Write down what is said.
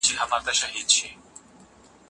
ایا ته غواړې چي په راتلونکي کي لارښود سې؟